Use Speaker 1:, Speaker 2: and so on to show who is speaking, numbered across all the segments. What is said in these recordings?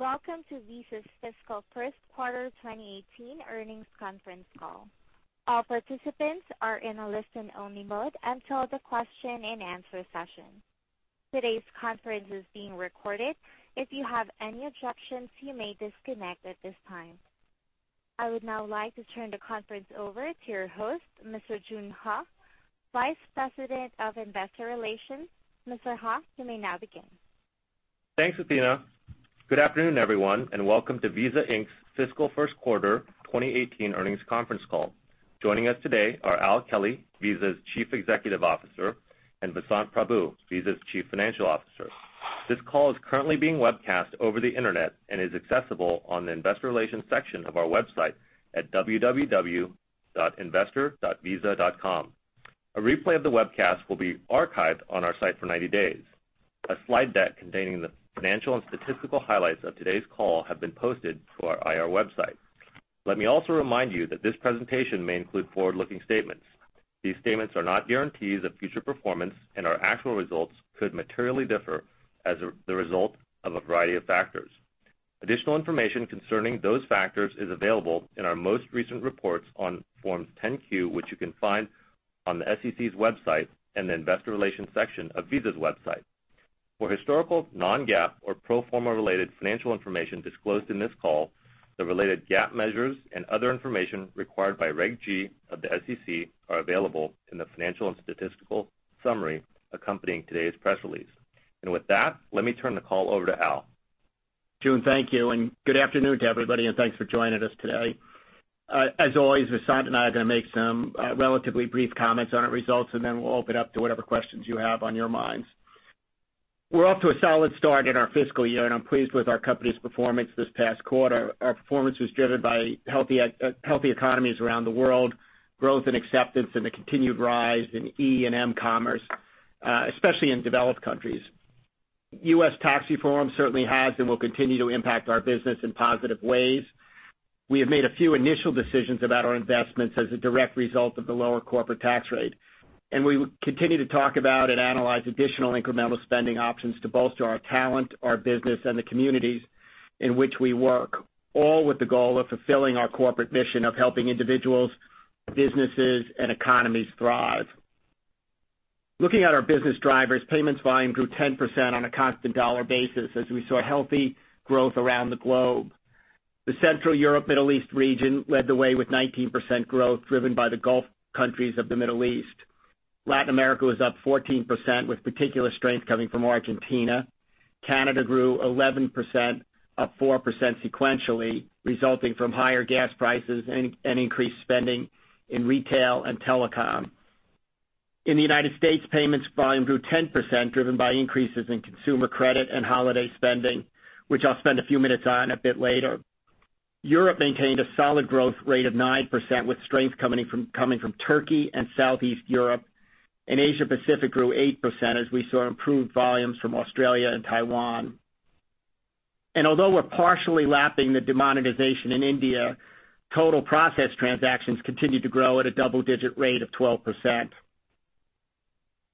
Speaker 1: Welcome to Visa's fiscal first quarter 2018 earnings conference call. All participants are in a listen-only mode until the question and answer session. Today's conference is being recorded. If you have any objections, you may disconnect at this time. I would now like to turn the conference over to your host, Mr. June Ha, Vice President of Investor Relations. Mr. Ha, you may now begin.
Speaker 2: Thanks, Athena. Good afternoon, everyone, and welcome to Visa Inc.'s fiscal first quarter 2018 earnings conference call. Joining us today are Al Kelly, Visa's Chief Executive Officer, and Vasant Prabhu, Visa's Chief Financial Officer. This call is currently being webcast over the internet and is accessible on the investor relations section of our website at www.investor.visa.com. A replay of the webcast will be archived on our site for 90 days. A slide deck containing the financial and statistical highlights of today's call have been posted to our IR website. Let me also remind you that this presentation may include forward-looking statements. These statements are not guarantees of future performance and our actual results could materially differ as the result of a variety of factors. Additional information concerning those factors is available in our most recent reports on forms 10-Q, which you can find on the SEC's website and the investor relations section of Visa's website. For historical, non-GAAP or pro forma related financial information disclosed in this call, the related GAAP measures and other information required by Reg G of the SEC are available in the financial and statistical summary accompanying today's press release. With that, let me turn the call over to Al.
Speaker 3: June, thank you, and good afternoon to everybody, and thanks for joining us today. As always, Vasant and I are going to make some relatively brief comments on our results, and then we'll open up to whatever questions you have on your minds. We're off to a solid start in our fiscal year, and I'm pleased with our company's performance this past quarter. Our performance was driven by healthy economies around the world, growth and acceptance in the continued rise in e and m-commerce, especially in developed countries. U.S. tax reform certainly has, and will continue to impact our business in positive ways. We have made a few initial decisions about our investments as a direct result of the lower corporate tax rate. We will continue to talk about and analyze additional incremental spending options to bolster our talent, our business, and the communities in which we work, all with the goal of fulfilling our corporate mission of helping individuals, businesses, and economies thrive. Looking at our business drivers, payments volume grew 10% on a constant dollar basis as we saw healthy growth around the globe. The Central Europe, Middle East region led the way with 19% growth, driven by the Gulf countries of the Middle East. Latin America was up 14%, with particular strength coming from Argentina. Canada grew 11%, up 4% sequentially, resulting from higher gas prices and increased spending in retail and telecom. In the U.S., payments volume grew 10%, driven by increases in consumer credit and holiday spending, which I'll spend a few minutes on a bit later. Europe maintained a solid growth rate of 9% with strength coming from Turkey and Southeast Europe. Asia Pacific grew 8% as we saw improved volumes from Australia and Taiwan. Although we're partially lapping the demonetization in India, total processed transactions continued to grow at a double-digit rate of 12%.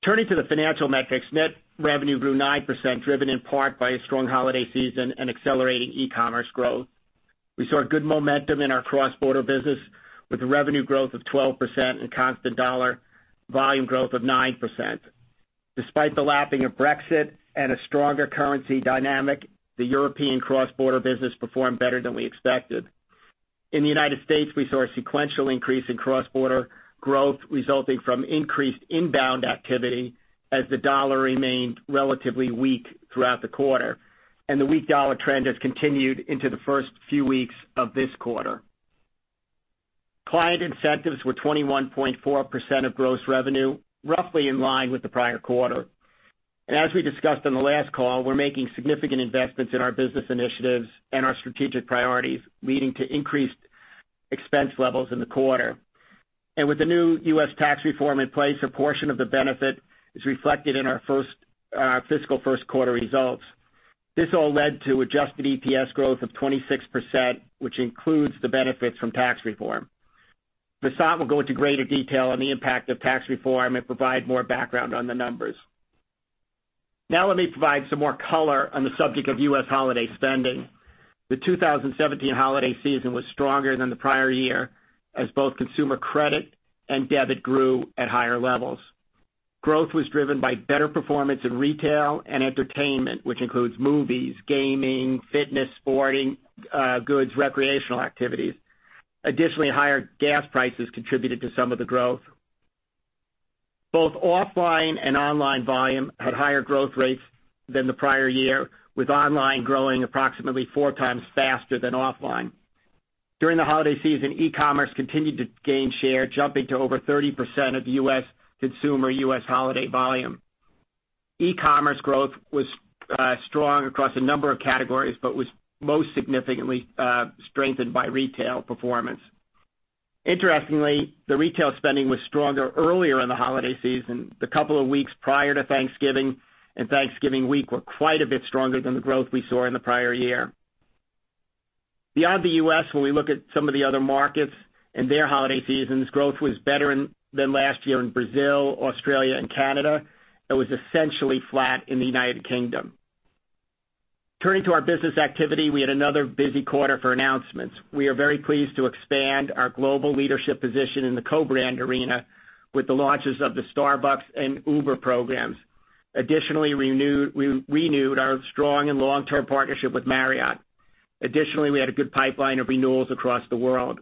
Speaker 3: Turning to the financial metrics, net revenue grew 9%, driven in part by a strong holiday season and accelerating e-commerce growth. We saw good momentum in our cross-border business, with a revenue growth of 12% and constant dollar volume growth of 9%. Despite the lapping of Brexit and a stronger currency dynamic, the European cross-border business performed better than we expected. In the U.S., we saw a sequential increase in cross-border growth resulting from increased inbound activity as the dollar remained relatively weak throughout the quarter. The weak dollar trend has continued into the first few weeks of this quarter. Client incentives were 21.4% of gross revenue, roughly in line with the prior quarter. As we discussed on the last call, we're making significant investments in our business initiatives and our strategic priorities, leading to increased expense levels in the quarter. With the new U.S. Tax Reform in place, a portion of the benefit is reflected in our fiscal first quarter results. This all led to adjusted EPS growth of 26%, which includes the benefits from Tax Reform. Vasant will go into greater detail on the impact of Tax Reform and provide more background on the numbers. Now let me provide some more color on the subject of U.S. holiday spending. The 2017 holiday season was stronger than the prior year, as both consumer credit and debit grew at higher levels. Growth was driven by better performance in retail and entertainment, which includes movies, gaming, fitness, sporting goods, recreational activities. Additionally, higher gas prices contributed to some of the growth. Both offline and online volume had higher growth rates than the prior year, with online growing approximately four times faster than offline. During the holiday season, e-commerce continued to gain share, jumping to over 30% of U.S. consumer/U.S. holiday volume. E-commerce growth was strong across a number of categories, but was most significantly strengthened by retail performance. Interestingly, the retail spending was stronger earlier in the holiday season. The couple of weeks prior to Thanksgiving and Thanksgiving week were quite a bit stronger than the growth we saw in the prior year. Beyond the U.S., when we look at some of the other markets and their holiday seasons, growth was better than last year in Brazil, Australia, and Canada. It was essentially flat in the U.K. Turning to our business activity, we had another busy quarter for announcements. We are very pleased to expand our global leadership position in the co-brand arena with the launches of the Starbucks and Uber programs. Additionally, we renewed our strong and long-term partnership with Marriott. Additionally, we had a good pipeline of renewals across the world.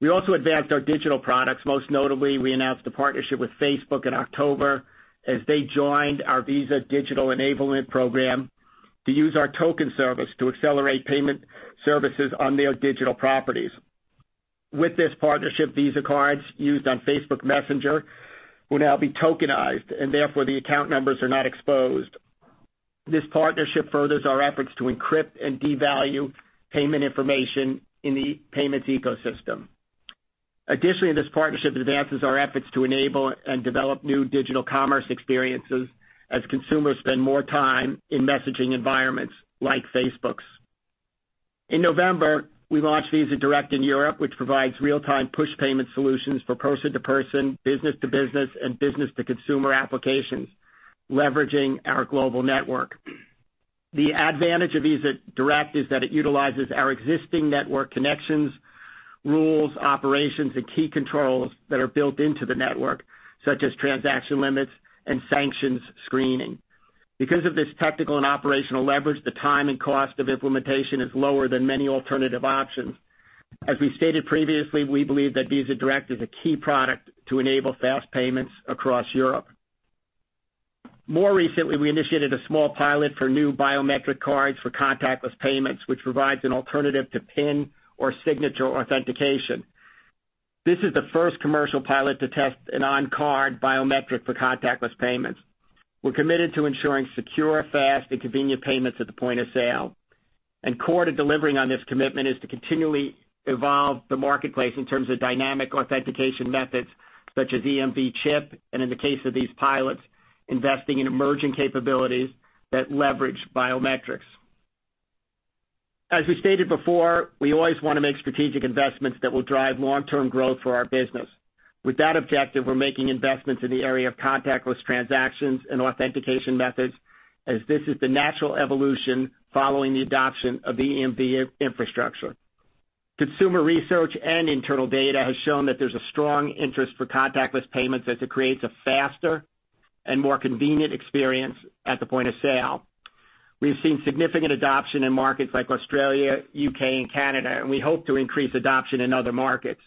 Speaker 3: We also advanced our digital products. Most notably, we announced a partnership with Facebook in October as they joined our Visa Digital Enablement Program to use our Visa Token Service to accelerate payment services on their digital properties. With this partnership, Visa cards used on Facebook Messenger will now be tokenized, and therefore, the account numbers are not exposed. This partnership furthers our efforts to encrypt and devalue payment information in the payments ecosystem. Additionally, this partnership advances our efforts to enable and develop new digital commerce experiences as consumers spend more time in messaging environments like Facebook's. In November, we launched Visa Direct in Europe, which provides real-time push payment solutions for person-to-person, business-to-business, and business-to-consumer applications, leveraging our global network. The advantage of Visa Direct is that it utilizes our existing network connections, rules, operations, and key controls that are built into the network, such as transaction limits and sanctions screening. Because of this technical and operational leverage, the time and cost of implementation is lower than many alternative options. As we stated previously, we believe that Visa Direct is a key product to enable fast payments across Europe. More recently, we initiated a small pilot for new biometric cards for contactless payments, which provides an alternative to PIN or signature authentication. This is the first commercial pilot to test an on-card biometric for contactless payments. We're committed to ensuring secure, fast, and convenient payments at the point of sale. Core to delivering on this commitment is to continually evolve the marketplace in terms of dynamic authentication methods such as EMV chip, and in the case of these pilots, investing in emerging capabilities that leverage biometrics. As we stated before, we always want to make strategic investments that will drive long-term growth for our business. With that objective, we're making investments in the area of contactless transactions and authentication methods as this is the natural evolution following the adoption of the EMV infrastructure. Consumer research and internal data has shown that there's a strong interest for contactless payments as it creates a faster and more convenient experience at the point of sale. We've seen significant adoption in markets like Australia, U.K., and Canada, and we hope to increase adoption in other markets.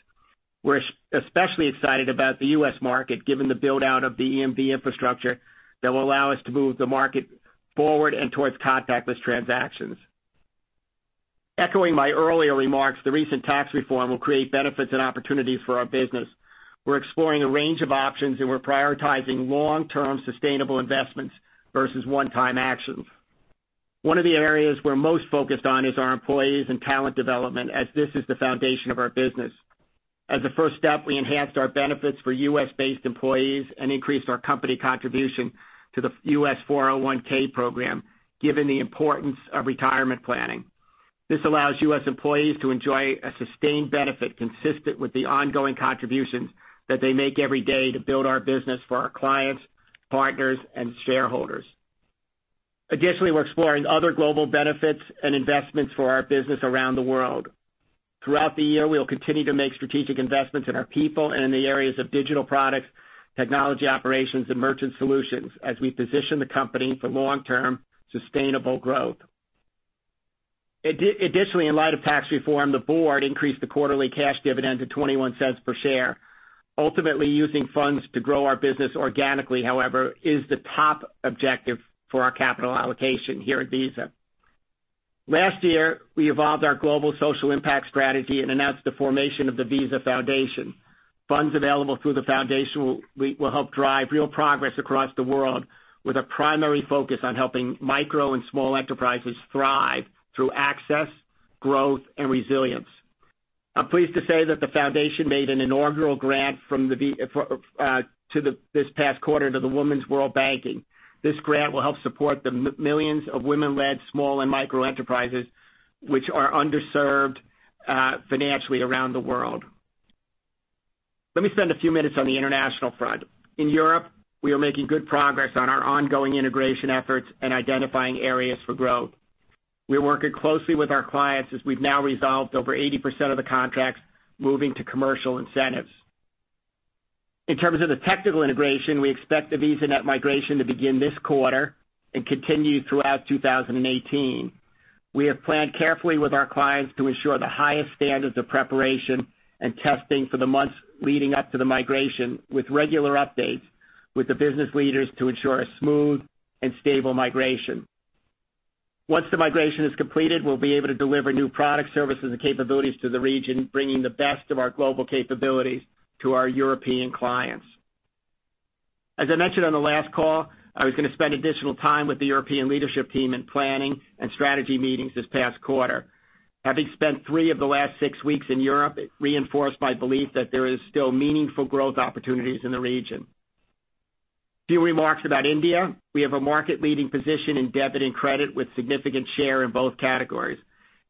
Speaker 3: We're especially excited about the U.S. market, given the build-out of the EMV infrastructure that will allow us to move the market forward and towards contactless transactions. Echoing my earlier remarks, the recent Tax Reform will create benefits and opportunities for our business. We're exploring a range of options, and we're prioritizing long-term sustainable investments versus one-time actions. One of the areas we're most focused on is our employees and talent development, as this is the foundation of our business. As a first step, we enhanced our benefits for U.S.-based employees and increased our company contribution to the U.S. 401(k) program, given the importance of retirement planning. This allows U.S. employees to enjoy a sustained benefit consistent with the ongoing contributions that they make every day to build our business for our clients, partners, and shareholders. Additionally, we're exploring other global benefits and investments for our business around the world. Throughout the year, we'll continue to make strategic investments in our people and in the areas of digital products, technology operations, and merchant solutions as we position the company for long-term sustainable growth. Additionally, in light of tax reform, the board increased the quarterly cash dividend to $0.21 per share. Using funds to grow our business organically, however, is the top objective for our capital allocation here at Visa. Last year, we evolved our global social impact strategy and announced the formation of the Visa Foundation. Funds available through the foundation will help drive real progress across the world with a primary focus on helping micro and small enterprises thrive through access, growth, and resilience. I'm pleased to say that the foundation made an inaugural grant this past quarter to the Women's World Banking. This grant will help support the millions of women-led small and micro enterprises, which are underserved financially around the world. Let me spend a few minutes on the international front. In Europe, we are making good progress on our ongoing integration efforts and identifying areas for growth. We are working closely with our clients as we've now resolved over 80% of the contracts, moving to commercial incentives. In terms of the technical integration, we expect the VisaNet migration to begin this quarter and continue throughout 2018. We have planned carefully with our clients to ensure the highest standards of preparation and testing for the months leading up to the migration, with regular updates with the business leaders to ensure a smooth and stable migration. Once the migration is completed, we'll be able to deliver new products, services, and capabilities to the region, bringing the best of our global capabilities to our European clients. As I mentioned on the last call, I was going to spend additional time with the European leadership team in planning and strategy meetings this past quarter. Having spent three of the last six weeks in Europe, it reinforced my belief that there is still meaningful growth opportunities in the region. Few remarks about India. We have a market-leading position in debit and credit, with significant share in both categories.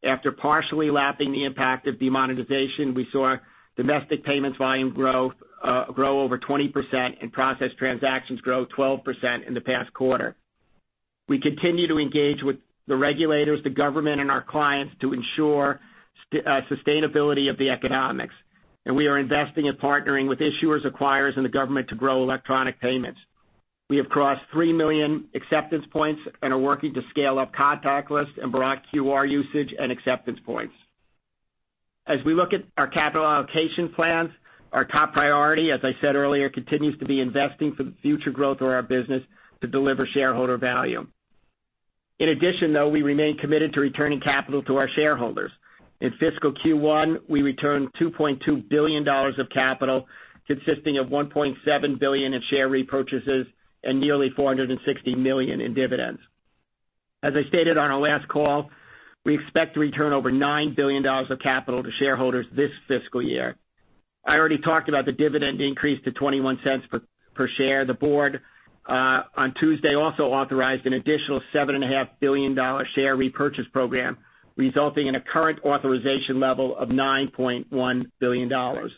Speaker 3: After partially lapping the impact of demonetization, we saw domestic payments volume grow over 20% and process transactions grow 12% in the past quarter. We continue to engage with the regulators, the government, and our clients to ensure sustainability of the economics, and we are investing in partnering with issuers, acquirers, and the government to grow electronic payments. We have crossed 3 million acceptance points and are working to scale up contactless and broad QR usage and acceptance points. As we look at our capital allocation plans, our top priority, as I said earlier, continues to be investing for the future growth of our business to deliver shareholder value. In addition, though, we remain committed to returning capital to our shareholders. In fiscal Q1, we returned $2.2 billion of capital, consisting of $1.7 billion in share repurchases and nearly $460 million in dividends. As I stated on our last call, we expect to return over $9 billion of capital to shareholders this fiscal year. I already talked about the dividend increase to $0.21 per share. The board on Tuesday also authorized an additional $7.5 billion share repurchase program, resulting in a current authorization level of $9.1 billion.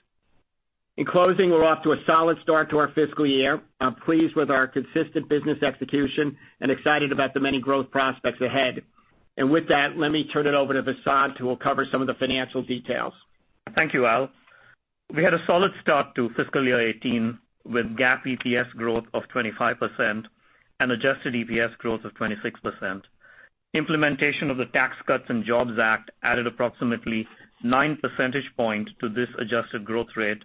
Speaker 3: In closing, we're off to a solid start to our fiscal year. I'm pleased with our consistent business execution and excited about the many growth prospects ahead. With that, let me turn it over to Vasant, who will cover some of the financial details.
Speaker 4: Thank you, Al. We had a solid start to fiscal year 2018, with GAAP EPS growth of 25% and adjusted EPS growth of 26%. Implementation of the Tax Cuts and Jobs Act added approximately nine percentage points to this adjusted growth rate,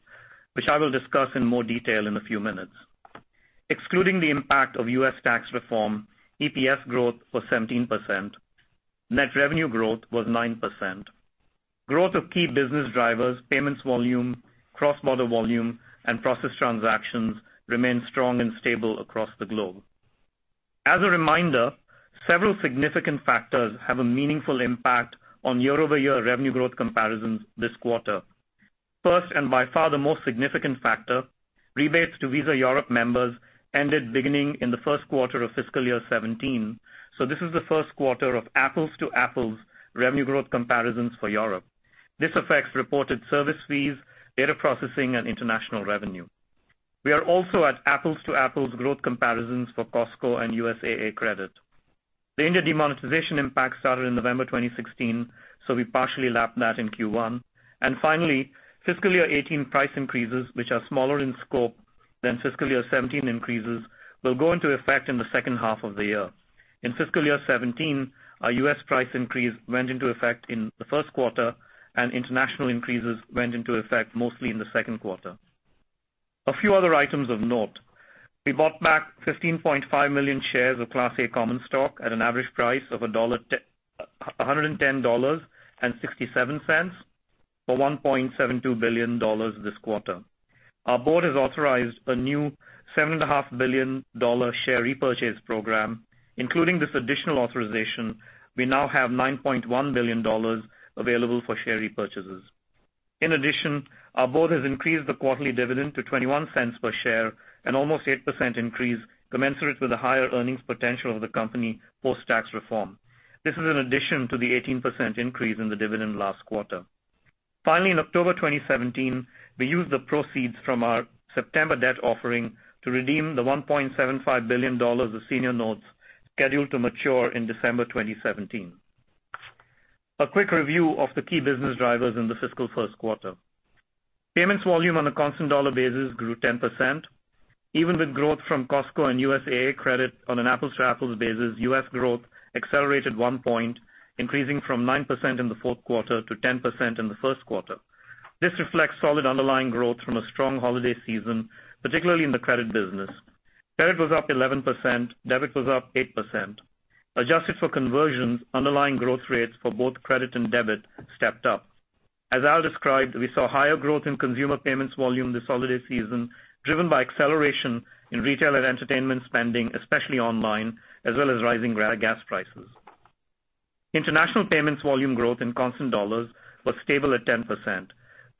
Speaker 4: which I will discuss in more detail in a few minutes. Excluding the impact of U.S. tax reform, EPS growth was 17%. Net revenue growth was 9%. Growth of key business drivers, payments volume, cross-border volume, and processed transactions remained strong and stable across the globe. As a reminder, several significant factors have a meaningful impact on year-over-year revenue growth comparisons this quarter. First, and by far the most significant factor, rebates to Visa Europe members ended beginning in the first quarter of fiscal year 2017, so this is the first quarter of apples-to-apples revenue growth comparisons for Europe. This affects reported service fees, data processing, and international revenue. We are also at apples-to-apples growth comparisons for Costco and USAA Credit. The India demonetization impact started in November 2016, so we partially lapped that in Q1. Finally, fiscal year 2018 price increases, which are smaller in scope than fiscal year 2017 increases, will go into effect in the second half of the year. In fiscal year 2017, our U.S. price increase went into effect in the first quarter, and international increases went into effect mostly in the second quarter. A few other items of note. We bought back 15.5 million shares of Class A common stock at an average price of $110.67 for $1.72 billion this quarter. Our board has authorized a new $7.5 billion share repurchase program. Including this additional authorization, we now have $9.1 billion available for share repurchases. In addition, our board has increased the quarterly dividend to $0.21 per share, an almost 8% increase commensurate with the higher earnings potential of the company post-tax reform. This is in addition to the 18% increase in the dividend last quarter. Finally, in October 2017, we used the proceeds from our September debt offering to redeem the $1.75 billion of senior notes scheduled to mature in December 2017. A quick review of the key business drivers in the fiscal first quarter. Payments volume on a constant dollar basis grew 10%. Even with growth from Costco and USAA Credit on an apples-to-apples basis, U.S. growth accelerated one point, increasing from 9% in the fourth quarter to 10% in the first quarter. This reflects solid underlying growth from a strong holiday season, particularly in the credit business. Credit was up 11%, debit was up 8%. Adjusted for conversions, underlying growth rates for both credit and debit stepped up. As Al described, we saw higher growth in consumer payments volume this holiday season, driven by acceleration in retail and entertainment spending, especially online, as well as rising gas prices. International payments volume growth in constant dollars was stable at 10%.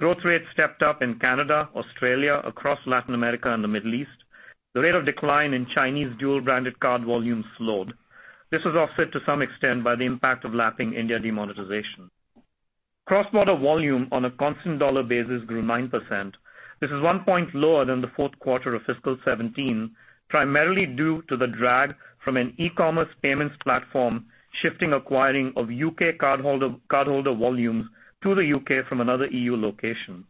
Speaker 4: Growth rates stepped up in Canada, Australia, across Latin America and the Middle East. The rate of decline in Chinese dual-branded card volume slowed. This was offset to some extent by the impact of lapping India demonetization. Cross-border volume on a constant dollar basis grew 9%. This is one point lower than the fourth quarter of fiscal 2017, primarily due to the drag from an e-commerce payments platform shifting acquiring of U.K. cardholder volumes to the U.K. from another EU location.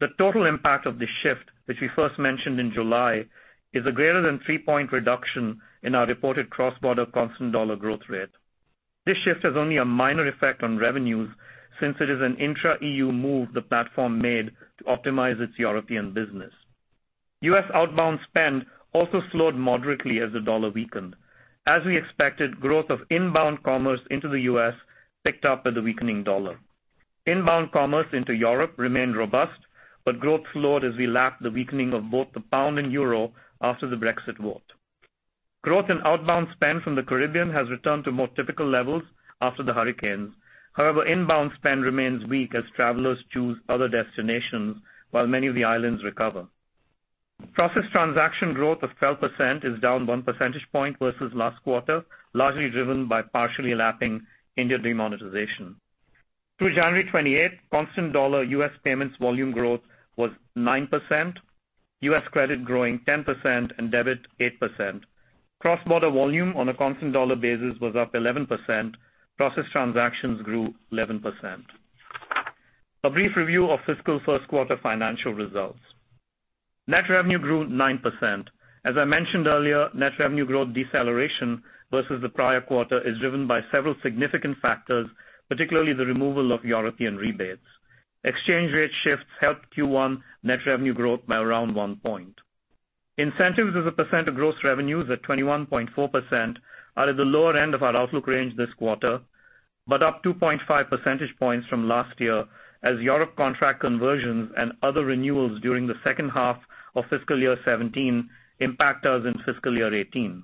Speaker 4: The total impact of this shift, which we first mentioned in July, is a greater than three-point reduction in our reported cross-border constant dollar growth rate. This shift has only a minor effect on revenues since it is an intra-EU move the platform made to optimize its European business. U.S. outbound spend also slowed moderately as the dollar weakened. As we expected, growth of inbound commerce into the U.S. picked up with the weakening dollar. Inbound commerce into Europe remained robust, but growth slowed as we lapped the weakening of both the pound and euro after the Brexit vote. Growth in outbound spend from the Caribbean has returned to more typical levels after the hurricanes. However, inbound spend remains weak as travelers choose other destinations while many of the islands recover. Processed transaction growth of 12% is down one percentage point versus last quarter, largely driven by partially lapping India demonetization. Through January 28th, constant dollar U.S. payments volume growth was 9%, U.S. credit growing 10% and debit 8%. Cross-border volume on a constant dollar basis was up 11%. Processed transactions grew 11%. A brief review of fiscal first quarter financial results. Net revenue grew 9%. As I mentioned earlier, net revenue growth deceleration versus the prior quarter is driven by several significant factors, particularly the removal of European rebates. Exchange rate shifts helped Q1 net revenue growth by around one point. Incentives as a percent of gross revenues at 21.4% are at the lower end of our outlook range this quarter, but up 2.5 percentage points from last year, as Europe contract conversions and other renewals during the second half of fiscal year 2017 impact us in fiscal year 2018.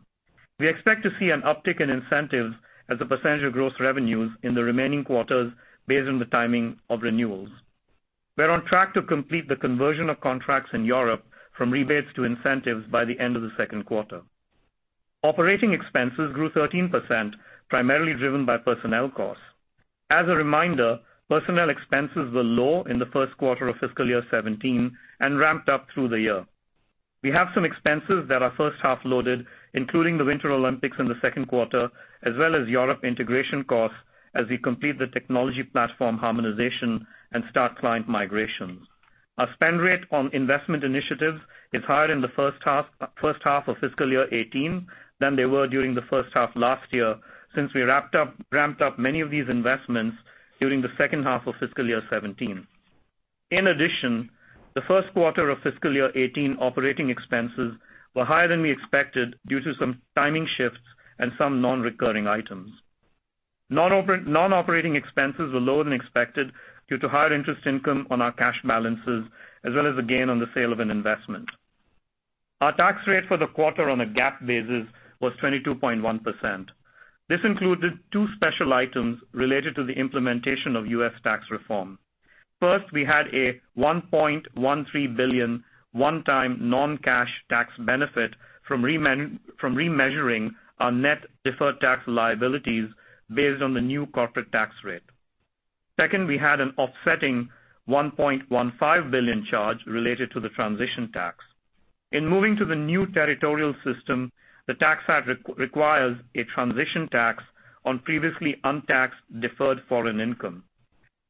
Speaker 4: We expect to see an uptick in incentives as a percentage of gross revenues in the remaining quarters based on the timing of renewals. We're on track to complete the conversion of contracts in Europe from rebates to incentives by the end of the second quarter. Operating expenses grew 13%, primarily driven by personnel costs. As a reminder, personnel expenses were low in the first quarter of fiscal year 2017 and ramped up through the year. We have some expenses that are first-half loaded, including the Winter Olympics in the second quarter, as well as Europe integration costs as we complete the technology platform harmonization and start client migrations. Our spend rate on investment initiatives is higher in the first half of fiscal year 2018 than they were during the first half last year since we ramped up many of these investments during the second half of fiscal year 2017. The first quarter of fiscal year 2018 operating expenses were higher than we expected due to some timing shifts and some non-recurring items. Non-operating expenses were lower than expected due to higher interest income on our cash balances, as well as a gain on the sale of an investment. Our tax rate for the quarter on a GAAP basis was 22.1%. This included two special items related to the implementation of U.S. tax reform. First, we had a $1.13 billion one-time non-cash tax benefit from remeasuring our net deferred tax liabilities based on the new corporate tax rate. Second, we had an offsetting $1.15 billion charge related to the transition tax. In moving to the new territorial system, the Tax Act requires a transition tax on previously untaxed deferred foreign income.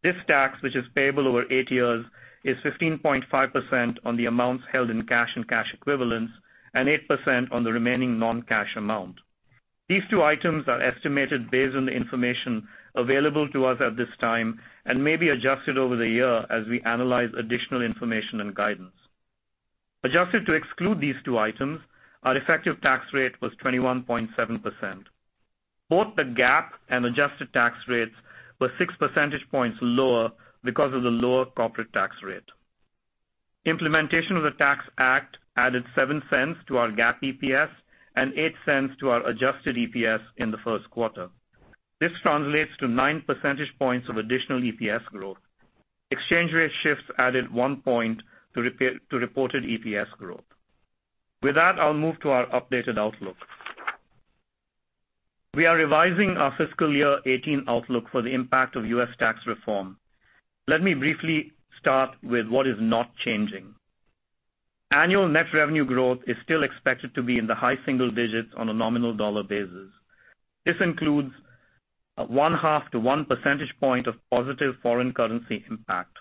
Speaker 4: This tax, which is payable over eight years, is 15.5% on the amounts held in cash and cash equivalents and 8% on the remaining non-cash amount. These two items are estimated based on the information available to us at this time and may be adjusted over the year as we analyze additional information and guidance. Adjusted to exclude these two items, our effective tax rate was 21.7%. Both the GAAP and adjusted tax rates were six percentage points lower because of the lower corporate tax rate. Implementation of the Tax Act added $0.07 to our GAAP EPS and $0.08 to our adjusted EPS in the first quarter. This translates to nine percentage points of additional EPS growth. Exchange rate shifts added one point to reported EPS growth. I'll move to our updated outlook. We are revising our fiscal year 2018 outlook for the impact of U.S. tax reform. Let me briefly start with what is not changing. Annual net revenue growth is still expected to be in the high single digits on a nominal dollar basis. This includes a one-half to one percentage point of positive foreign currency impact.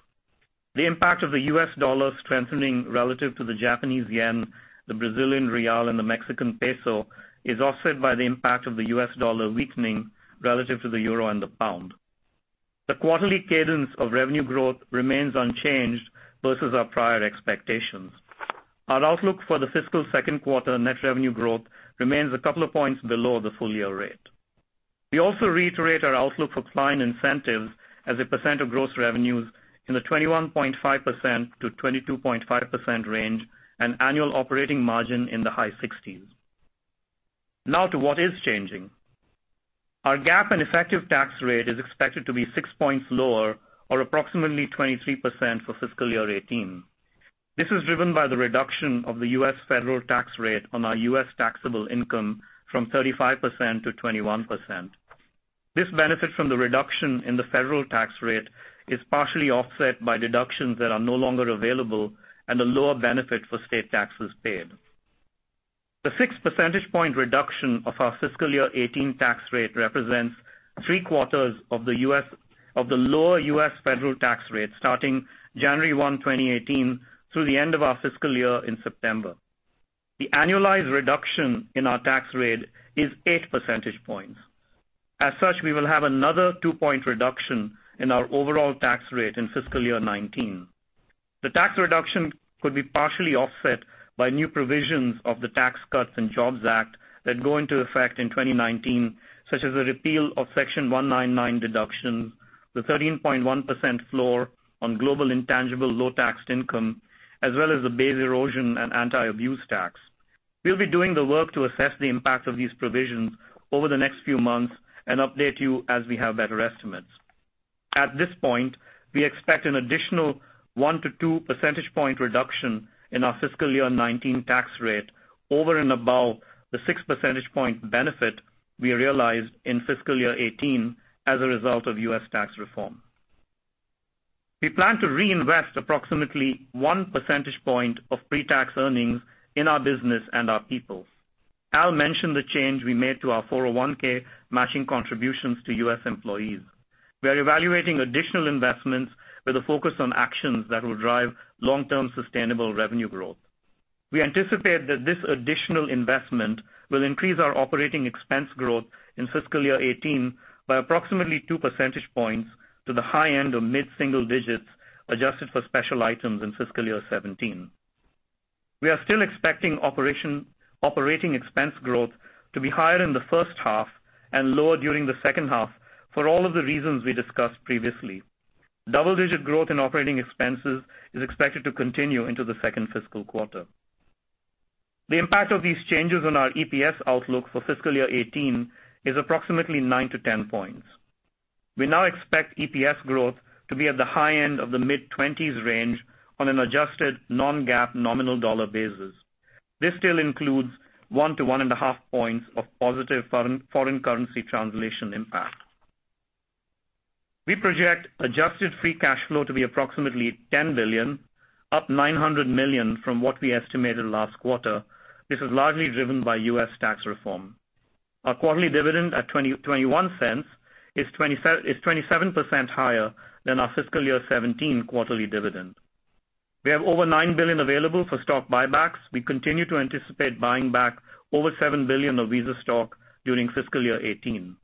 Speaker 4: The impact of the U.S. dollar strengthening relative to the Japanese yen, the Brazilian real, and the Mexican peso is offset by the impact of the U.S. dollar weakening relative to the euro and the pound. The quarterly cadence of revenue growth remains unchanged versus our prior expectations. Our outlook for the fiscal second quarter net revenue growth remains a couple of points below the full-year rate. We also reiterate our outlook for client incentives as a percent of gross revenues in the 21.5%-22.5% range and annual operating margin in the high 60s. Our GAAP and effective tax rate is expected to be 6 points lower or approximately 23% for fiscal year 2018. This is driven by the reduction of the U.S. federal tax rate on our U.S. taxable income from 35% to 21%. This benefit from the reduction in the federal tax rate is partially offset by deductions that are no longer available and a lower benefit for state taxes paid. The 6 percentage point reduction of our fiscal year 2018 tax rate represents three quarters of the lower U.S. federal tax rate starting January 1, 2018, through the end of our fiscal year in September. The annualized reduction in our tax rate is 8 percentage points. As such, we will have another two-point reduction in our overall tax rate in fiscal year 2019. The tax reduction could be partially offset by new provisions of the Tax Cuts and Jobs Act that go into effect in 2019, such as the repeal of Section 199 deductions, the 13.1% floor on global intangible low-taxed income, as well as the base erosion and anti-abuse tax. We will be doing the work to assess the impact of these provisions over the next few months and update you as we have better estimates. At this point, we expect an additional one to two percentage point reduction in our fiscal year 2019 tax rate over and above the 6 percentage point benefit we realized in fiscal year 2018 as a result of U.S. tax reform. We plan to reinvest approximately one percentage point of pre-tax earnings in our business and our people. Al mentioned the change we made to our 401(k) matching contributions to U.S. employees. We are evaluating additional investments with a focus on actions that will drive long-term sustainable revenue growth. We anticipate that this additional investment will increase our operating expense growth in fiscal year 2018 by approximately two percentage points to the high end of mid-single digits, adjusted for special items in fiscal year 2017. We are still expecting operating expense growth to be higher in the first half and lower during the second half for all of the reasons we discussed previously. Double-digit growth in operating expenses is expected to continue into the second fiscal quarter. The impact of these changes on our EPS outlook for fiscal year 2018 is approximately 9 to 10 points. We now expect EPS growth to be at the high end of the mid-20s range on an adjusted non-GAAP nominal dollar basis. This still includes 1 to 1.5 points of positive foreign currency translation impact. We project adjusted free cash flow to be approximately $10 billion, up $900 million from what we estimated last quarter. This is largely driven by U.S. tax reform. Our quarterly dividend at $0.21 is 27% higher than our fiscal year 2017 quarterly dividend. We have over $9 billion available for stock buybacks. We continue to anticipate buying back over $7 billion of Visa stock during fiscal year 2018.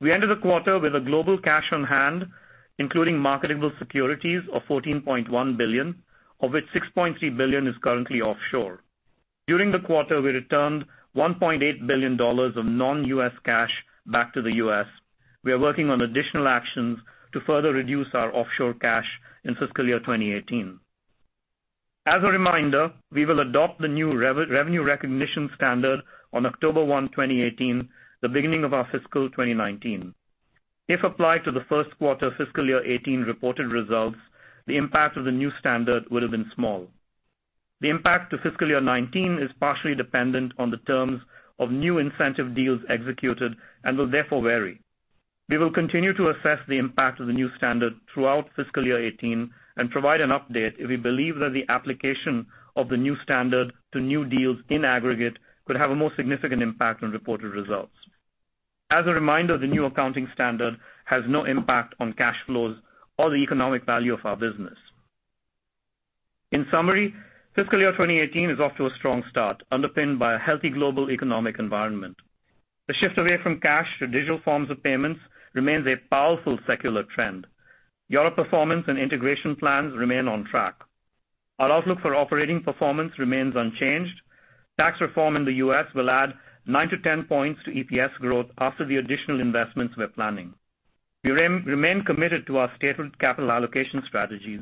Speaker 4: We ended the quarter with a global cash on hand, including marketable securities of $14.1 billion, of which $6.3 billion is currently offshore. During the quarter, we returned $1.8 billion of non-U.S. cash back to the U.S. We are working on additional actions to further reduce our offshore cash in fiscal year 2018. As a reminder, we will adopt the new revenue recognition standard on October 1, 2018, the beginning of our fiscal 2019. If applied to the first quarter fiscal year 2018 reported results, the impact of the new standard would have been small. The impact to fiscal year 2019 is partially dependent on the terms of new incentive deals executed and will therefore vary. We will continue to assess the impact of the new standard throughout fiscal year 2018 and provide an update if we believe that the application of the new standard to new deals in aggregate could have a more significant impact on reported results. As a reminder, the new accounting standard has no impact on cash flows or the economic value of our business. In summary, fiscal year 2018 is off to a strong start, underpinned by a healthy global economic environment. The shift away from cash to digital forms of payments remains a powerful secular trend. Europe performance and integration plans remain on track. Our outlook for operating performance remains unchanged. Tax reform in the U.S. will add 9-10 points to EPS growth after the additional investments we're planning. We remain committed to our stated capital allocation strategies.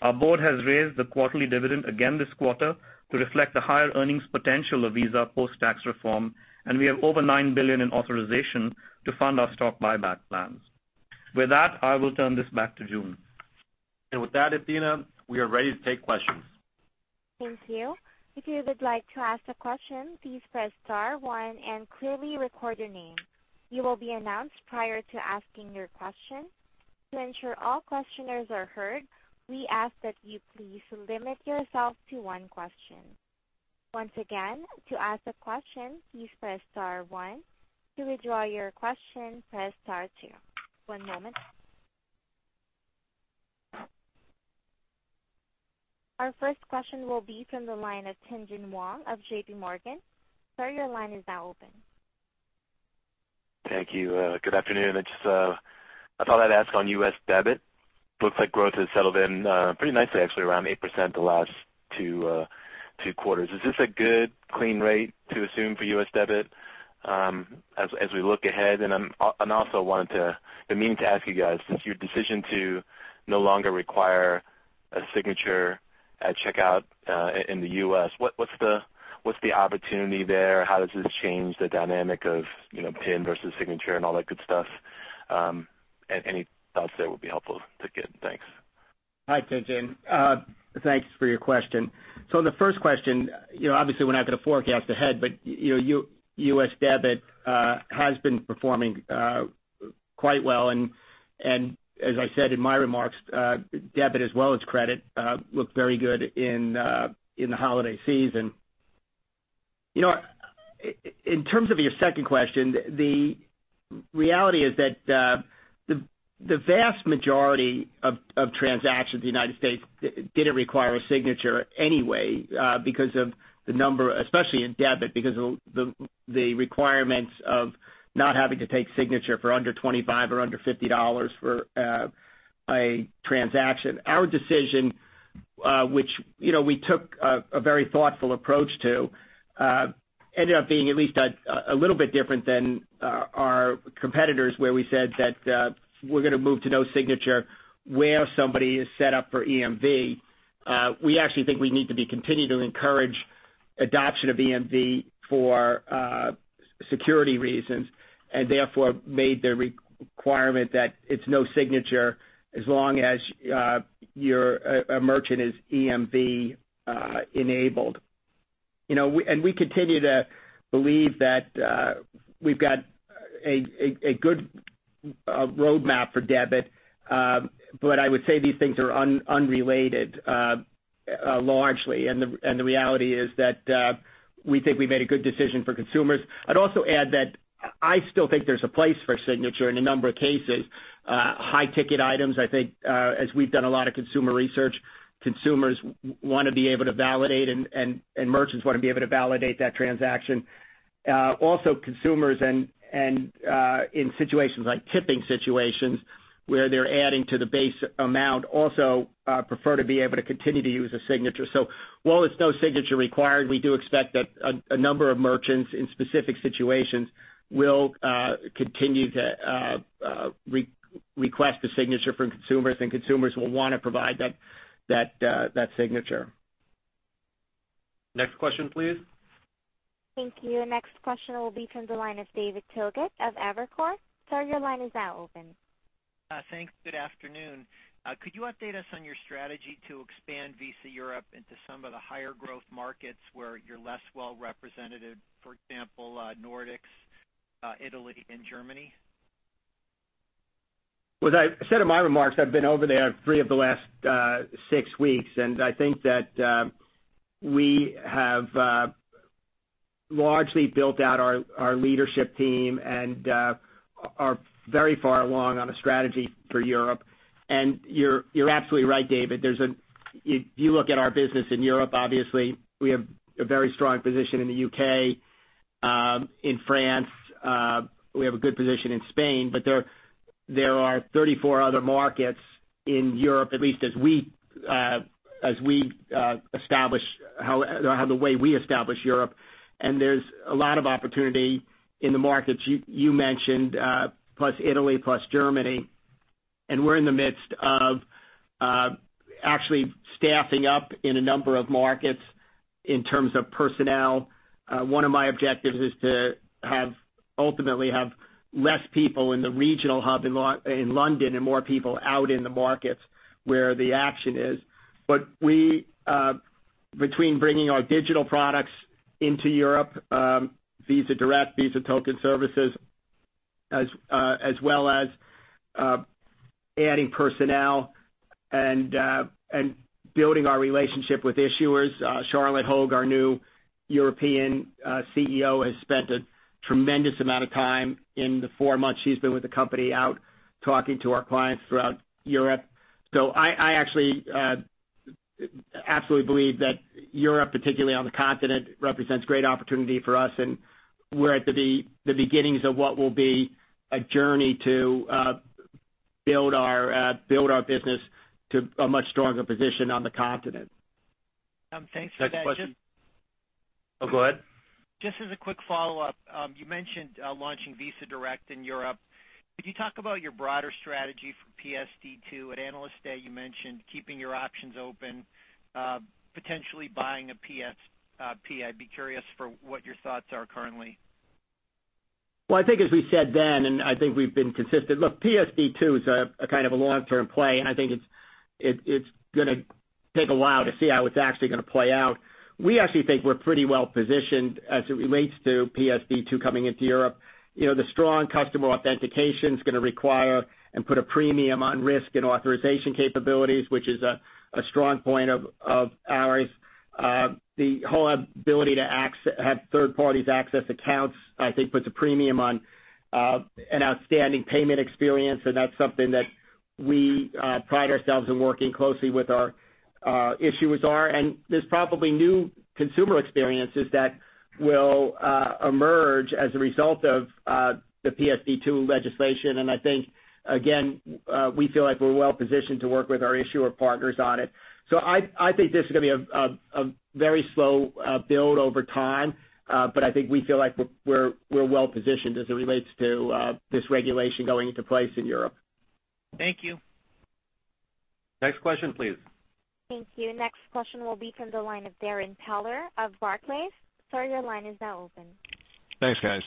Speaker 4: Our board has raised the quarterly dividend again this quarter to reflect the higher earnings potential of Visa post-tax reform, and we have over $9 billion in authorization to fund our stock buyback plans. With that, I will turn this back to June.
Speaker 2: With that, Athena, we are ready to take questions.
Speaker 1: Thank you. If you would like to ask a question, please press star one and clearly record your name. You will be announced prior to asking your question. To ensure all questioners are heard, we ask that you please limit yourself to one question. Once again, to ask a question, please press star one. To withdraw your question, press star two. One moment. Our first question will be from the line of Tien-tsin Huang of JPMorgan. Sir, your line is now open.
Speaker 5: Thank you. Good afternoon. I thought I'd ask on U.S. debit. Looks like growth has settled in pretty nicely, actually, around 8% the last two quarters. Is this a good, clean rate to assume for U.S. debit as we look ahead? I've been meaning to ask you guys, since your decision to no longer require a signature at checkout in the U.S., what's the opportunity there? How does this change the dynamic of PIN versus signature and all that good stuff? Any thoughts there would be helpful to get. Thanks.
Speaker 4: Hi, Tien-tsin. Thanks for your question. The first question, obviously, we're not going to forecast ahead, but U.S. debit has been performing quite well, and as I said in my remarks, debit as well as credit looked very good in the holiday season. In terms of your second question, the reality is that the vast majority of transactions in the United States didn't require a signature anyway because of the number, especially in debit, because of the requirements of not having to take signature for under $25 or under $50 for a transaction. Our decision, which we took a very thoughtful approach to,
Speaker 3: Ended up being at least a little bit different than our competitors, where we said that we're going to move to no signature where somebody is set up for EMV. We actually think we need to continue to encourage adoption of EMV for security reasons, and therefore made the requirement that it's no signature as long as a merchant is EMV enabled. We continue to believe that we've got a good roadmap for debit. I would say these things are unrelated largely, and the reality is that we think we made a good decision for consumers. I'd also add that I still think there's a place for signature in a number of cases. High ticket items, I think as we've done a lot of consumer research, consumers want to be able to validate, and merchants want to be able to validate that transaction. Also, consumers in situations like tipping situations, where they're adding to the base amount, also prefer to be able to continue to use a signature. While it's no signature required, we do expect that a number of merchants in specific situations will continue to request a signature from consumers, and consumers will want to provide that signature.
Speaker 2: Next question, please.
Speaker 1: Thank you. The next question will be from the line of David Togut of Evercore. Sir, your line is now open.
Speaker 6: Thanks. Good afternoon. Could you update us on your strategy to expand Visa Europe into some of the higher growth markets where you're less well-represented, for example, Nordics, Italy, and Germany?
Speaker 3: With I said in my remarks, I've been over there three of the last six weeks, I think that we have largely built out our leadership team and are very far along on a strategy for Europe. You're absolutely right, David. If you look at our business in Europe, obviously, we have a very strong position in the U.K., in France, we have a good position in Spain, but there are 34 other markets in Europe, at least the way we establish Europe. There's a lot of opportunity in the markets you mentioned, plus Italy, plus Germany. We're in the midst of actually staffing up in a number of markets in terms of personnel. One of my objectives is to ultimately have less people in the regional hub in London and more people out in the markets where the action is. Between bringing our digital products into Europe, Visa Direct, Visa Token Service, as well as adding personnel and building our relationship with issuers. Charlotte Hogg, our new European CEO, has spent a tremendous amount of time in the four months she's been with the company out talking to our clients throughout Europe. I actually absolutely believe that Europe, particularly on the continent, represents great opportunity for us, and we're at the beginnings of what will be a journey to build our business to a much stronger position on the continent.
Speaker 6: Thanks for that.
Speaker 2: Next question. Oh, go ahead.
Speaker 6: Just as a quick follow-up. You mentioned launching Visa Direct in Europe. Could you talk about your broader strategy for PSD2? At Analyst Day, you mentioned keeping your options open, potentially buying a PSP. I'd be curious for what your thoughts are currently.
Speaker 3: I think as we said then, I think we've been consistent, PSD2 is a kind of a long-term play, I think it's going to take a while to see how it's actually going to play out. We actually think we're pretty well-positioned as it relates to PSD2 coming into Europe. The strong customer authentication's going to require and put a premium on risk and authorization capabilities, which is a strong point of ours. The whole ability to have third parties access accounts, I think puts a premium on an outstanding payment experience, that's something that we pride ourselves in working closely with our issuers on. There's probably new consumer experiences that will emerge as a result of the PSD2 legislation, I think, again, we feel like we're well-positioned to work with our issuer partners on it. I think this is going to be a very slow build over time. I think we feel like we're well-positioned as it relates to this regulation going into place in Europe.
Speaker 6: Thank you.
Speaker 2: Next question, please.
Speaker 1: Thank you. Next question will be from the line of Darrin Peller of Barclays. Sir, your line is now open.
Speaker 7: Thanks, guys.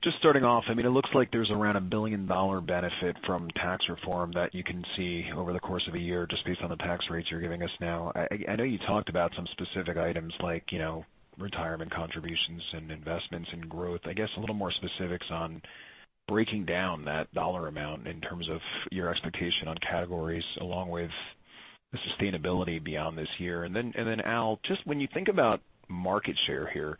Speaker 7: Just starting off, it looks like there's around a billion-dollar benefit from tax reform that you can see over the course of a year just based on the tax rates you're giving us now. I know you talked about some specific items like retirement contributions and investments and growth. I guess a little more specifics on breaking down that dollar amount in terms of your expectation on categories along with the sustainability beyond this year. Al, just when you think about market share here,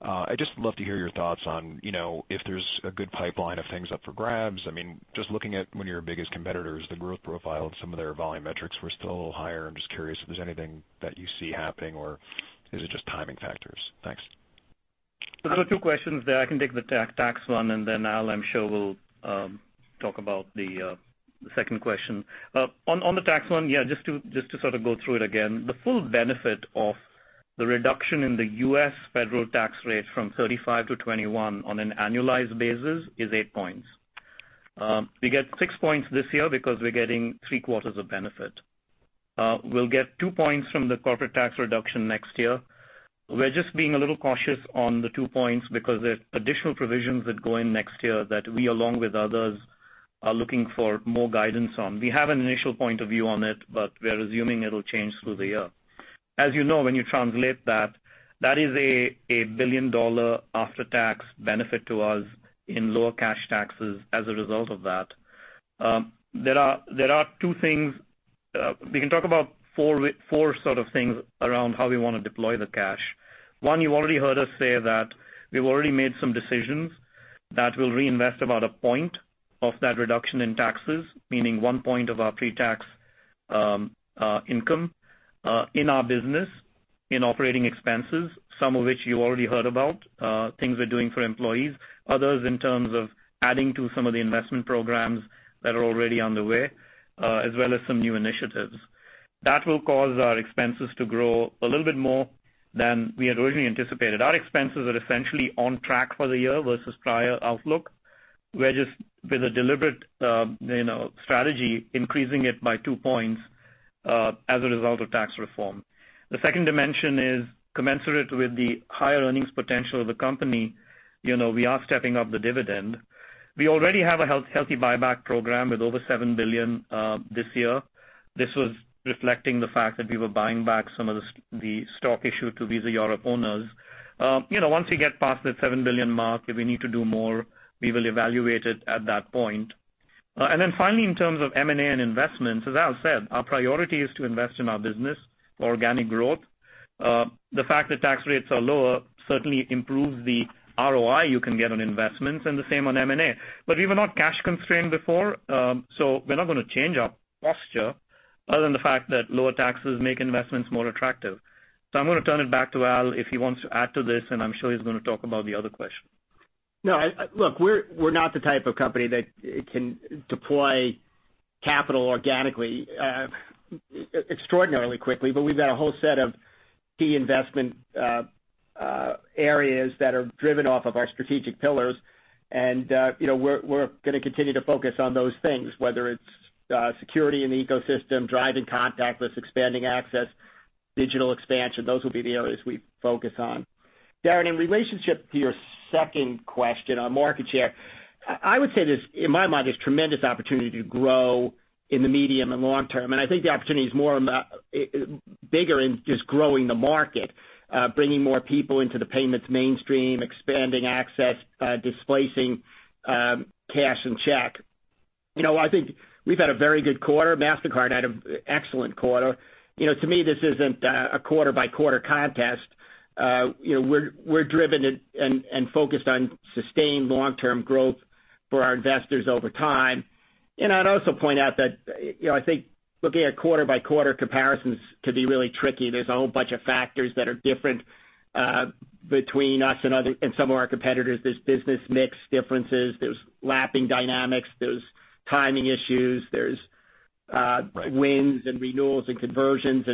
Speaker 7: I'd just love to hear your thoughts on if there's a good pipeline of things up for grabs. Just looking at one of your biggest competitors, the growth profile of some of their volume metrics were still a little higher. I'm just curious if there's anything that you see happening, or is it just timing factors? Thanks.
Speaker 4: Those are two questions there. I can take the tax one. Al, I'm sure will Talk about the second question. On the tax one, just to go through it again, the full benefit of the reduction in the U.S. federal tax rate from 35 to 21 on an annualized basis is eight points. We get six points this year because we're getting three quarters of benefit. We'll get two points from the corporate tax reduction next year. We're just being a little cautious on the two points because there's additional provisions that go in next year that we, along with others, are looking for more guidance on. We have an initial point of view on it, but we are assuming it'll change through the year. As you know, when you translate that is a billion-dollar after-tax benefit to us in lower cash taxes as a result of that. There are two things. We can talk about four sort of things around how we want to deploy the cash. One, you already heard us say that we've already made some decisions that will reinvest about a point of that reduction in taxes, meaning one point of our pre-tax income in our business, in operating expenses, some of which you already heard about, things we're doing for employees, others in terms of adding to some of the investment programs that are already underway, as well as some new initiatives. That will cause our expenses to grow a little bit more than we had originally anticipated. Our expenses are essentially on track for the year versus prior outlook. We're just, with a deliberate strategy, increasing it by two points as a result of tax reform. The second dimension is commensurate with the higher earnings potential of the company. We are stepping up the dividend. We already have a healthy buyback program with over $7 billion this year. This was reflecting the fact that we were buying back some of the stock issued to Visa Europe owners. Once we get past the $7 billion mark, if we need to do more, we will evaluate it at that point. Finally, in terms of M&A and investments, as Al said, our priority is to invest in our business for organic growth. The fact that tax rates are lower certainly improves the ROI you can get on investments and the same on M&A. We were not cash constrained before, so we're not going to change our posture other than the fact that lower taxes make investments more attractive. I'm going to turn it back to Al if he wants to add to this, and I'm sure he's going to talk about the other question.
Speaker 3: No. Look, we're not the type of company that can deploy capital organically extraordinarily quickly, but we've got a whole set of key investment areas that are driven off of our strategic pillars. We're going to continue to focus on those things, whether it's security in the ecosystem, driving contactless, expanding access, digital expansion. Those will be the areas we focus on. Darrin, in relationship to your second question on market share, I would say this, in my mind, there's tremendous opportunity to grow in the medium and long term, and I think the opportunity is bigger in just growing the market, bringing more people into the payments mainstream, expanding access, displacing cash and check. I think we've had a very good quarter. Mastercard had an excellent quarter. To me, this isn't a quarter-by-quarter contest. We're driven and focused on sustained long-term growth for our investors over time. I'd also point out that I think looking at quarter-by-quarter comparisons could be really tricky. There's a whole bunch of factors that are different between us and some of our competitors. There's business mix differences. There's lapping dynamics. There's timing issues. There's wins and renewals and conversions,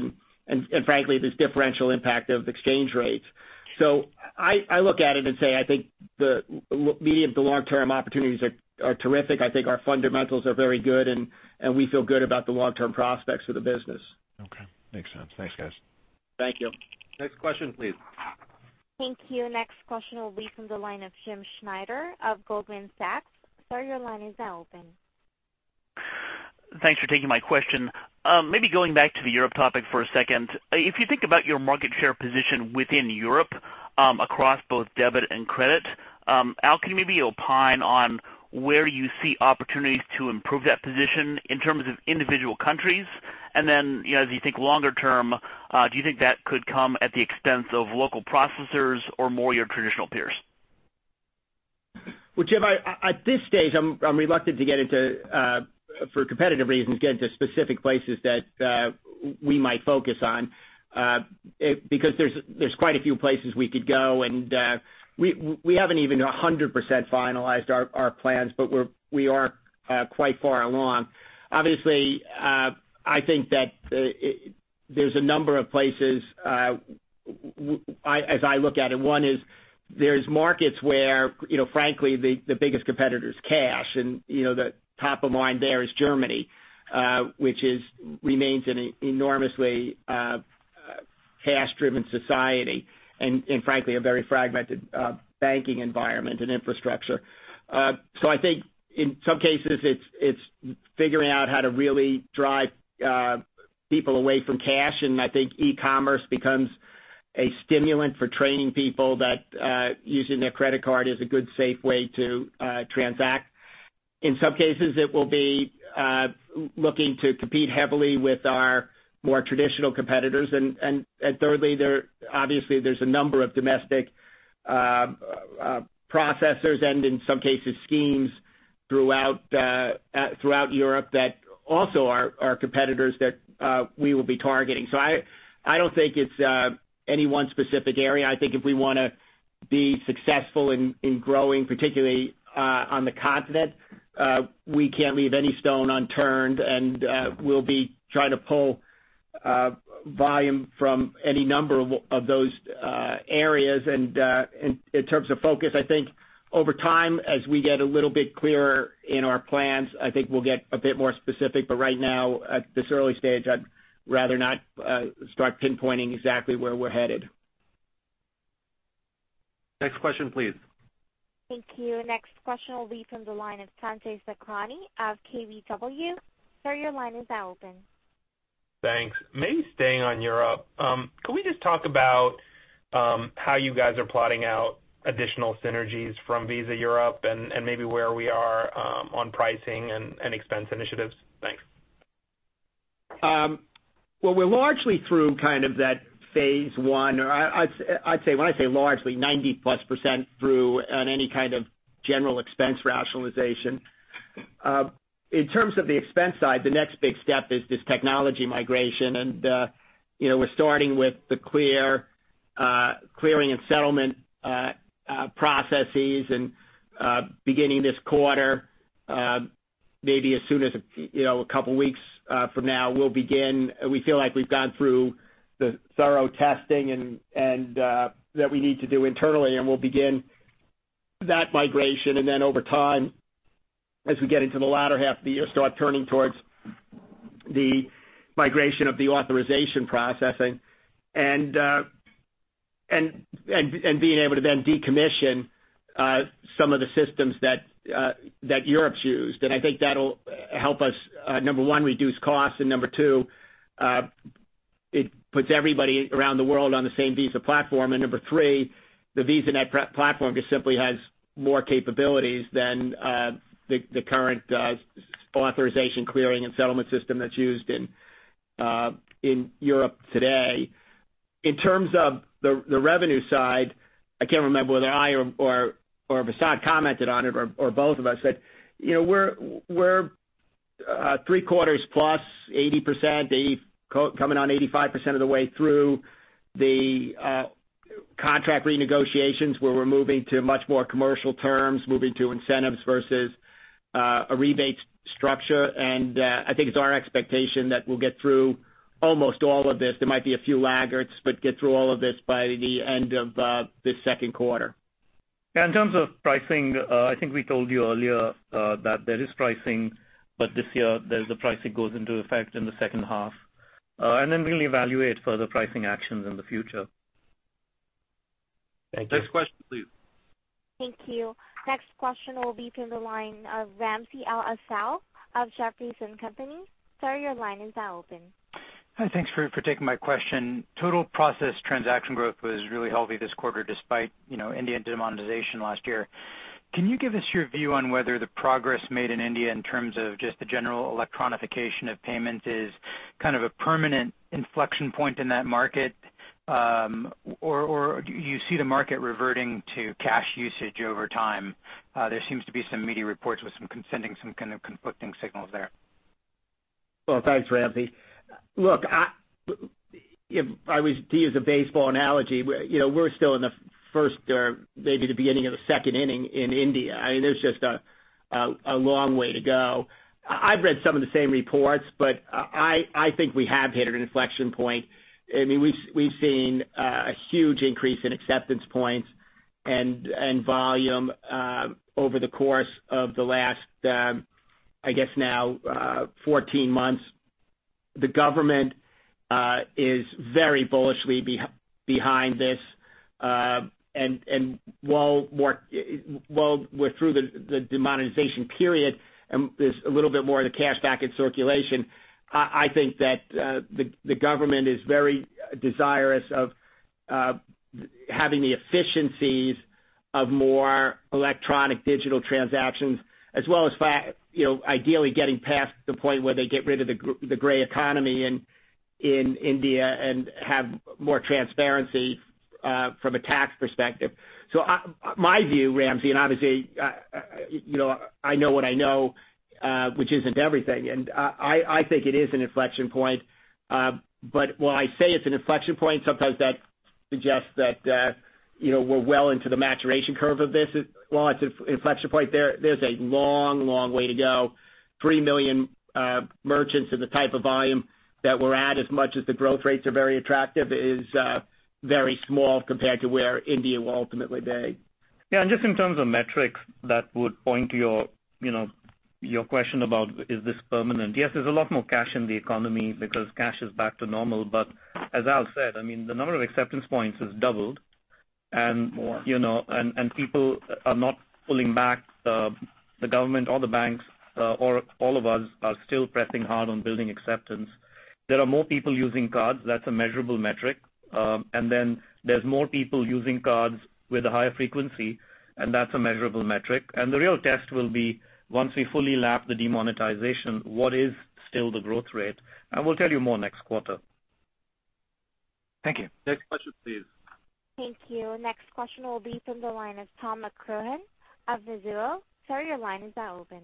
Speaker 3: and frankly, there's differential impact of exchange rates. I look at it and say, I think the medium- to long-term opportunities are terrific. I think our fundamentals are very good, and we feel good about the long-term prospects for the business.
Speaker 7: Okay. Makes sense. Thanks, guys.
Speaker 3: Thank you.
Speaker 2: Next question, please.
Speaker 1: Thank you. Next question will be from the line of Jim Schneider of Goldman Sachs. Sir, your line is now open.
Speaker 8: Thanks for taking my question. Maybe going back to the Europe topic for a second. If you think about your market share position within Europe across both debit and credit, Al, can you maybe opine on where you see opportunities to improve that position in terms of individual countries? As you think longer term, do you think that could come at the expense of local processors or more your traditional peers?
Speaker 3: Well, Jim, at this stage, I'm reluctant, for competitive reasons, to get into specific places that we might focus on because there's quite a few places we could go, and we haven't even 100% finalized our plans, but we are quite far along. Obviously, I think that there's a number of places as I look at it. One is there's markets where, frankly, the biggest competitor is cash, and the top of mind there is Germany, which remains an enormously cash-driven society and frankly, a very fragmented banking environment and infrastructure. I think in some cases, it's figuring out how to really drive people away from cash, and I think e-commerce becomes a stimulant for training people that using their credit card is a good, safe way to transact. In some cases, it will be looking to compete heavily with our more traditional competitors. Thirdly, obviously, there's a number of domestic processors and in some cases schemes throughout Europe that also are competitors that we will be targeting. I don't think it's any one specific area. I think if we want to be successful in growing, particularly on the continent. We can't leave any stone unturned, and we'll be trying to pull volume from any number of those areas. In terms of focus, I think over time, as we get a little bit clearer in our plans, I think we'll get a bit more specific, but right now, at this early stage, I'd rather not start pinpointing exactly where we're headed.
Speaker 2: Next question, please.
Speaker 1: Thank you. Next question will be from the line of Sanjay Sakhrani of KBW. Sir, your line is now open.
Speaker 9: Thanks. Staying on Europe. Can we just talk about how you guys are plotting out additional synergies from Visa Europe and maybe where we are on pricing and expense initiatives? Thanks.
Speaker 3: We're largely through kind of that phase 1, or when I say largely, 90+% through on any kind of general expense rationalization. In terms of the expense side, the next big step is this technology migration, and we're starting with the clearing and settlement processes. Beginning this quarter, maybe as soon as a couple of weeks from now, we feel like we've gone through the thorough testing that we need to do internally, and we'll begin that migration. Then over time, as we get into the latter half of the year, start turning towards the migration of the authorization processing, and being able to then decommission some of the systems that Europe's used. I think that'll help us, number 1, reduce costs, and number 2, it puts everybody around the world on the same Visa platform. Number 3, the VisaNet platform just simply has more capabilities than the current authorization clearing and settlement system that's used in Europe today. In terms of the revenue side, I can't remember whether I or Vasant commented on it, or both of us, but we're three quarters +80%, coming on 85% of the way through the contract renegotiations, where we're moving to much more commercial terms, moving to incentives versus a rebate structure. I think it's our expectation that we'll get through almost all of this. There might be a few laggards, but get through all of this by the end of this second quarter.
Speaker 4: Yeah, in terms of pricing, I think we told you earlier that there is pricing, but this year, the pricing goes into effect in the second half. Then we'll evaluate further pricing actions in the future.
Speaker 9: Thank you.
Speaker 2: Next question, please.
Speaker 1: Thank you. Next question will be from the line of Ramsey El-Assal of Jefferies and Company. Sir, your line is now open.
Speaker 10: Hi, thanks for taking my question. Total process transaction growth was really healthy this quarter despite India demonetization last year. Can you give us your view on whether the progress made in India in terms of just the general electronification of payment is kind of a permanent inflection point in that market? Or do you see the market reverting to cash usage over time? There seems to be some media reports with some concerning, some kind of conflicting signals there.
Speaker 3: Well, thanks, Ramsey. Look, if I was to use a baseball analogy, we're still in the first or maybe the beginning of the second inning in India. There's just a long way to go. I've read some of the same reports. I think we have hit an inflection point. We've seen a huge increase in acceptance points and volume over the course of the last, I guess now, 14 months. The government is very bullishly behind this. While we're through the demonetization period, and there's a little bit more of the cash back in circulation, I think that the government is very desirous of having the efficiencies of more electronic digital transactions, as well as ideally getting past the point where they get rid of the gray economy in India and have more transparency from a tax perspective. My view, Ramsey, and obviously, I know what I know, which isn't everything, and I think it is an inflection point. While I say it's an inflection point, sometimes that suggests that we're well into the maturation curve of this. While it's an inflection point, there's a long way to go. 3 million merchants and the type of volume that we're at, as much as the growth rates are very attractive, is very small compared to where India will ultimately be.
Speaker 4: Yeah, just in terms of metrics that would point to your question about, is this permanent? Yes, there's a lot more cash in the economy because cash is back to normal. As Al said, the number of acceptance points has doubled.
Speaker 3: More.
Speaker 4: People are not pulling back. The government or the banks or all of us are still pressing hard on building acceptance. There are more people using cards. That's a measurable metric. There's more people using cards with a higher frequency, and that's a measurable metric. The real test will be once we fully lap the demonetization, what is still the growth rate? I will tell you more next quarter.
Speaker 10: Thank you.
Speaker 2: Next question, please.
Speaker 1: Thank you. Next question will be from the line of Tom McCrohan of Mizuho. Sir, your line is now open.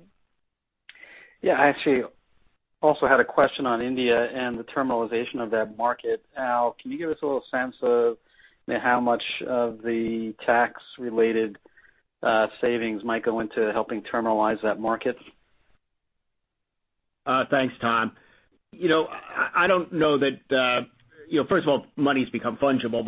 Speaker 11: Yeah, I actually also had a question on India and the terminalization of that market. Al, can you give us a little sense of how much of the tax-related savings might go into helping terminalize that market?
Speaker 3: Thanks, Tom. First of all, money's become fungible.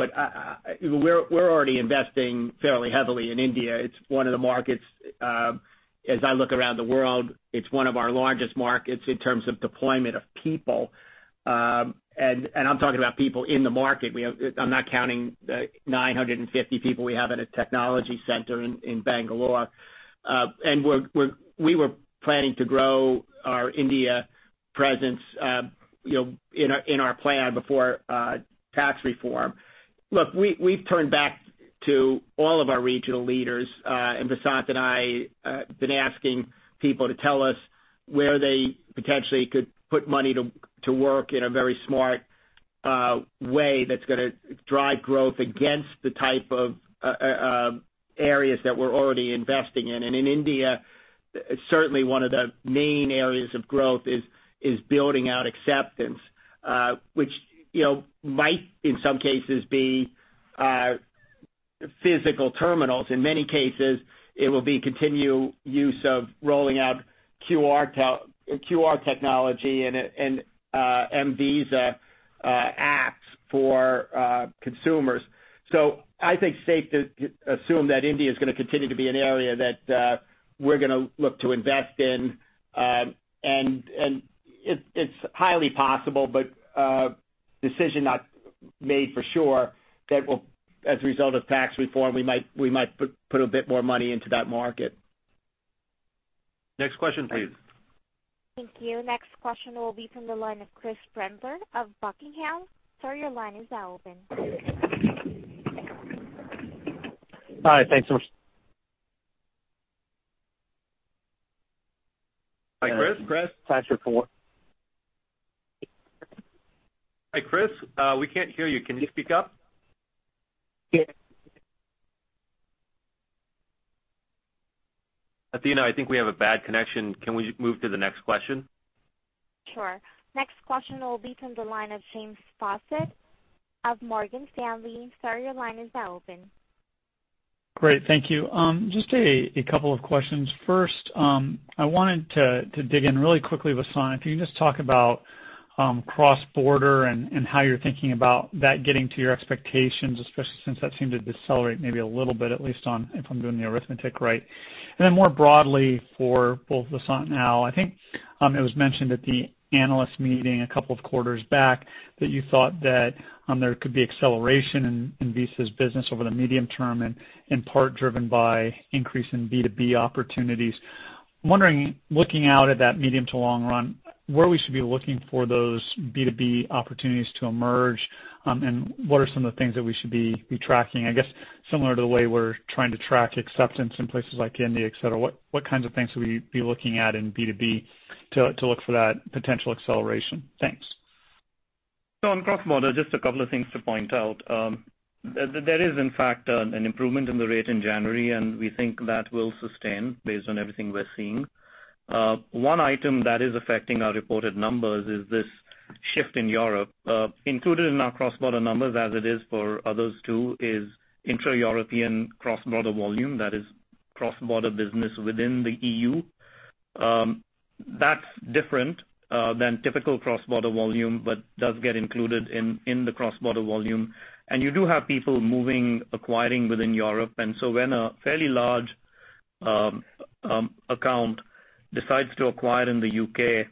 Speaker 3: We're already investing fairly heavily in India. It's one of the markets, as I look around the world, it's one of our largest markets in terms of deployment of people. I'm talking about people in the market. I'm not counting the 950 people we have at a technology center in Bangalore. We were planning to grow our India presence in our plan before tax reform. Look, we've turned back to all of our regional leaders, and Vasant and I have been asking people to tell us where they potentially could put money to work in a very smart way that's going to drive growth against the type of areas that we're already investing in. In India, certainly one of the main areas of growth is building out acceptance, which might, in some cases, be physical terminals. In many cases, it will be continued use of rolling out QR technology and mVisa apps for consumers. I think it's safe to assume that India is going to continue to be an area that we're going to look to invest in. It's highly possible, but decision not made for sure, that as a result of tax reform, we might put a bit more money into that market.
Speaker 2: Next question, please.
Speaker 1: Thank you. Next question will be from the line of Chris Brendler of Buckingham. Sir, your line is now open.
Speaker 12: Hi, thanks so much.
Speaker 2: Hi, Chris.
Speaker 3: Chris.
Speaker 12: Thanks for-
Speaker 2: Hi, Chris. We can't hear you. Can you speak up?
Speaker 12: Yeah.
Speaker 2: Athena, I think we have a bad connection. Can we move to the next question?
Speaker 1: Sure. Next question will be from the line of James Faucette of Morgan Stanley. Sir, your line is now open.
Speaker 13: Great. Thank you. Just a couple of questions. First, I wanted to dig in really quickly, Vasant, if you can just talk about cross-border and how you're thinking about that getting to your expectations, especially since that seemed to decelerate maybe a little bit, at least if I'm doing the arithmetic right. More broadly for both Vasant and Al, I think it was mentioned at the analyst meeting a couple of quarters back that you thought that there could be acceleration in Visa's business over the medium term, in part driven by increase in B2B opportunities. I'm wondering, looking out at that medium to long run, where we should be looking for those B2B opportunities to emerge, and what are some of the things that we should be tracking? I guess similar to the way we're trying to track acceptance in places like India, et cetera, what kinds of things should we be looking at in B2B to look for that potential acceleration? Thanks.
Speaker 4: On cross-border, just a couple of things to point out. There is, in fact, an improvement in the rate in January, and we think that will sustain based on everything we're seeing. One item that is affecting our reported numbers is this shift in Europe. Included in our cross-border numbers, as it is for others too, is intra-European cross-border volume. That is cross-border business within the EU. That's different than typical cross-border volume but does get included in the cross-border volume. You do have people moving, acquiring within Europe. When a fairly large account decides to acquire in the U.K.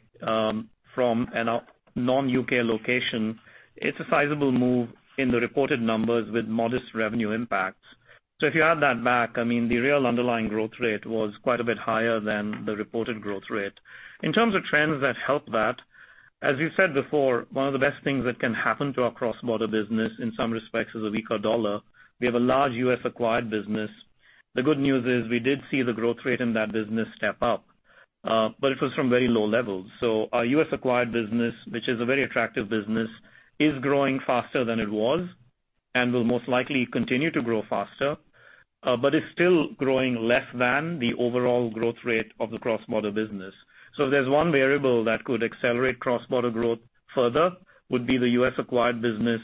Speaker 4: from a non-U.K. location, it's a sizable move in the reported numbers with modest revenue impacts. If you add that back, the real underlying growth rate was quite a bit higher than the reported growth rate. In terms of trends that help that, as you said before, one of the best things that can happen to our cross-border business in some respects is a weaker dollar. We have a large U.S. acquired business. The good news is we did see the growth rate in that business step up. It was from very low levels. Our U.S. acquired business, which is a very attractive business, is growing faster than it was and will most likely continue to grow faster. It's still growing less than the overall growth rate of the cross-border business. If there's one variable that could accelerate cross-border growth further, would be the U.S. acquired business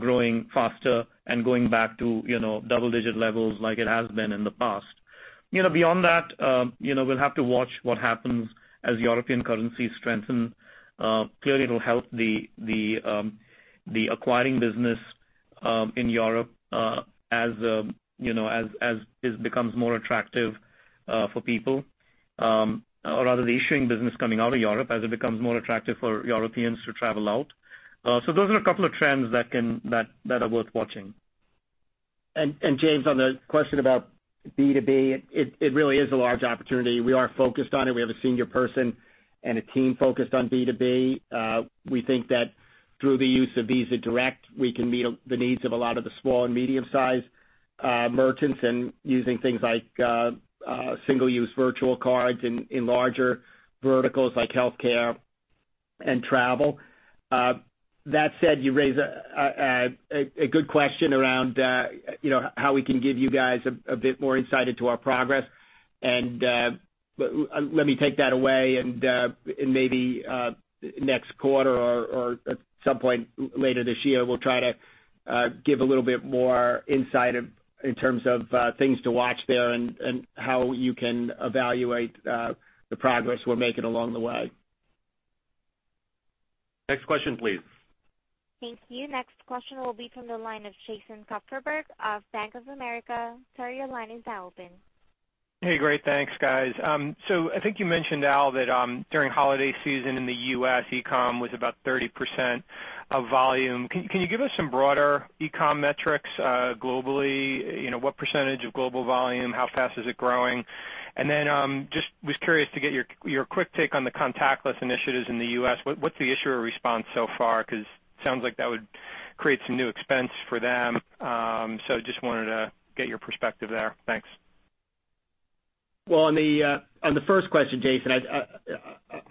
Speaker 4: growing faster and going back to double-digit levels like it has been in the past. Beyond that, we'll have to watch what happens as European currencies strengthen. Clearly, it'll help the acquiring business in Europe as it becomes more attractive for people, or rather the issuing business coming out of Europe as it becomes more attractive for Europeans to travel out. Those are a couple of trends that are worth watching.
Speaker 3: James, on the question about B2B, it really is a large opportunity. We are focused on it. We have a senior person and a team focused on B2B. We think that through the use of Visa Direct, we can meet the needs of a lot of the small and medium-sized merchants and using things like single-use virtual cards in larger verticals like healthcare and travel. That said, you raise a good question around how we can give you guys a bit more insight into our progress. Let me take that away and maybe next quarter or at some point later this year, we'll try to give a little bit more insight in terms of things to watch there and how you can evaluate the progress we're making along the way.
Speaker 2: Next question, please.
Speaker 1: Thank you. Next question will be from the line of Jason Kupferberg of Bank of America. Sir, your line is now open.
Speaker 14: Hey. Great. Thanks, guys. I think you mentioned, Al, that during holiday season in the U.S., e-com was about 30% of volume. Can you give us some broader e-com metrics globally? What percentage of global volume? How fast is it growing? Then just was curious to get your quick take on the contactless initiatives in the U.S. What's the issuer response so far? Sounds like that would create some new expense for them. Just wanted to get your perspective there. Thanks.
Speaker 3: On the first question, Jason, I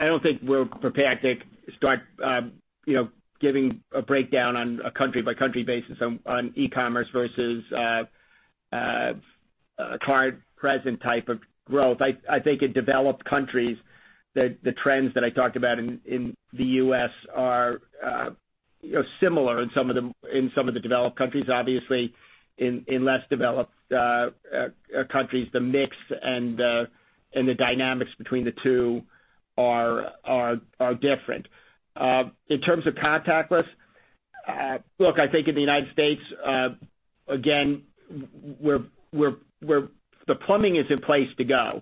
Speaker 3: don't think we're prepared to start giving a breakdown on a country-by-country basis on e-commerce versus a card present type of growth. I think in developed countries, the trends that I talked about in the U.S. are similar in some of the developed countries. Obviously, in less developed countries, the mix and the dynamics between the two are different. In terms of contactless, look, I think in the United States, again, the plumbing is in place to go.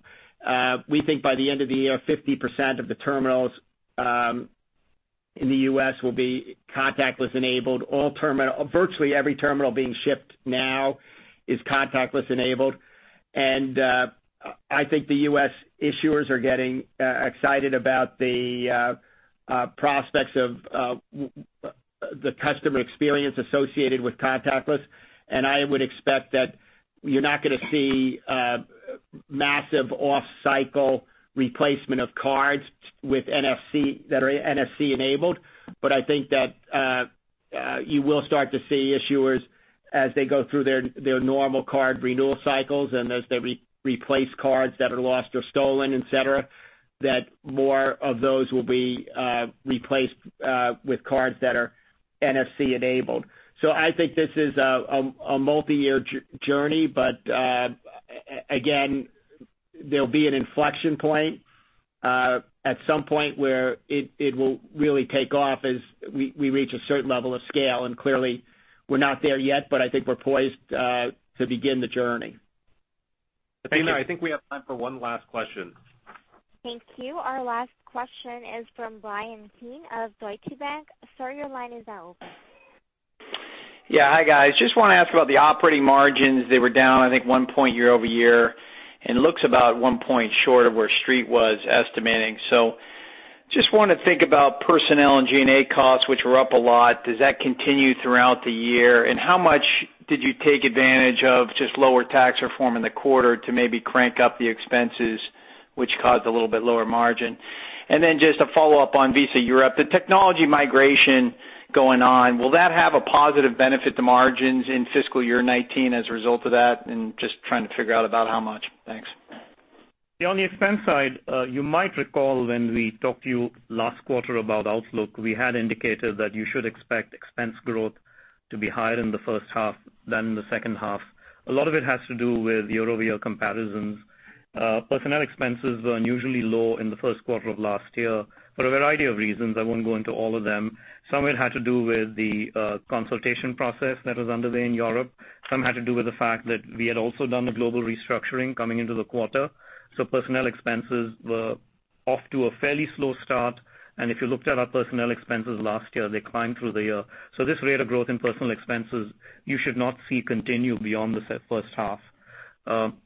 Speaker 3: We think by the end of the year, 50% of the terminals in the U.S. will be contactless enabled. Virtually every terminal being shipped now is contactless enabled. I think the U.S. issuers are getting excited about the prospects of the customer experience associated with contactless, and I would expect that you're not going to see massive off-cycle replacement of cards that are NFC-enabled. I think that you will start to see issuers as they go through their normal card renewal cycles and as they replace cards that are lost or stolen, et cetera, that more of those will be replaced with cards that are NFC-enabled. I think this is a multi-year journey, but again, there'll be an inflection point at some point where it will really take off as we reach a certain level of scale. Clearly, we're not there yet, but I think we're poised to begin the journey.
Speaker 2: I think we have time for one last question.
Speaker 1: Thank you. Our last question is from Bryan Keane of Deutsche Bank. Sir, your line is now open.
Speaker 15: Yeah. Hi, guys. Just want to ask about the operating margins. They were down, I think, 1 point year-over-year, and looks about 1 point short of where street was estimating. Just want to think about personnel and G&A costs, which were up a lot. Does that continue throughout the year? How much did you take advantage of just lower Tax Reform in the quarter to maybe crank up the expenses, which caused a little bit lower margin? Just a follow-up on Visa Europe. The technology migration going on, will that have a positive benefit to margins in fiscal year 2019 as a result of that? Just trying to figure out about how much. Thanks.
Speaker 4: Yeah, on the expense side, you might recall when we talked to you last quarter about outlook, we had indicated that you should expect expense growth to be higher in the first half than the second half. A lot of it has to do with year-over-year comparisons. Personnel expenses were unusually low in the first quarter of last year for a variety of reasons. I won't go into all of them. Some of it had to do with the consultation process that was underway in Europe. Some had to do with the fact that we had also done a global restructuring coming into the quarter. Personnel expenses were off to a fairly slow start. If you looked at our personnel expenses last year, they climbed through the year. This rate of growth in personnel expenses, you should not see continue beyond the first half.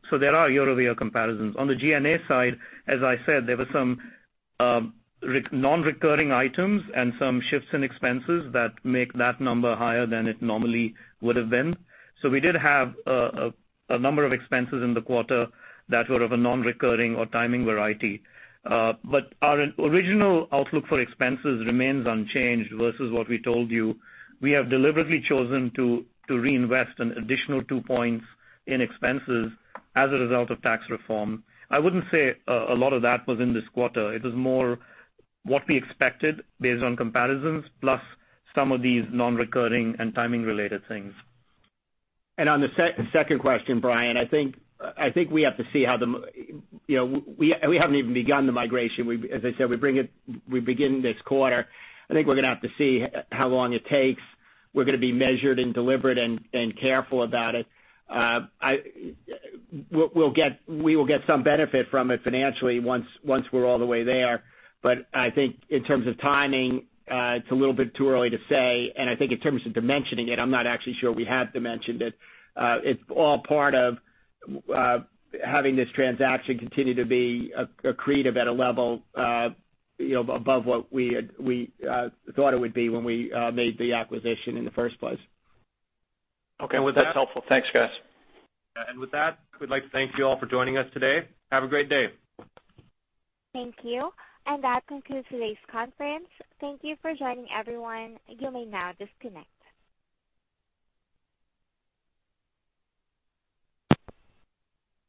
Speaker 4: There are year-over-year comparisons. On the G&A side, as I said, there were some non-recurring items and some shifts in expenses that make that number higher than it normally would have been. We did have a number of expenses in the quarter that were of a non-recurring or timing variety. Our original outlook for expenses remains unchanged versus what we told you. We have deliberately chosen to reinvest an additional 2 points in expenses as a result of Tax Reform. I wouldn't say a lot of that was in this quarter. It was more what we expected based on comparisons plus some of these non-recurring and timing related things.
Speaker 3: On the second question, Bryan, I think we haven't even begun the migration. As I said, we begin this quarter. I think we're going to have to see how long it takes. We're going to be measured and deliberate and careful about it. We will get some benefit from it financially once we're all the way there. I think in terms of timing, it's a little bit too early to say. I think in terms of dimensioning it, I'm not actually sure we have dimensioned it. It's all part of having this transaction continue to be accretive at a level above what we thought it would be when we made the acquisition in the first place.
Speaker 15: Okay. Well, that's helpful. Thanks, guys.
Speaker 2: With that, we'd like to thank you all for joining us today. Have a great day.
Speaker 1: Thank you. That concludes today's conference. Thank you for joining, everyone. You may now disconnect.